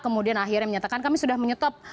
kemudian akhirnya menyatakan kami sudah menyetop